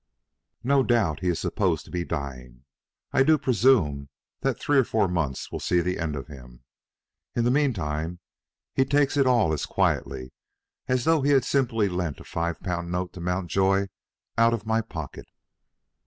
No doubt he is supposed to be dying. I do presume that three or four months will see the end of him. In the mean time he takes it all as quietly as though he had simply lent a five pound note to Mountjoy out of my pocket."